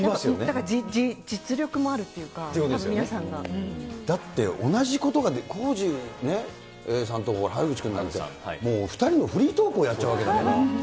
だから実力もあるっていうか、だって、同じことが、コージーさんとか原口君なんか、２人のフリートークをやっちゃうわけだから。